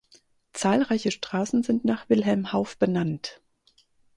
Zahlreiche Straßen sind nach Wilhelm Hauff benannt.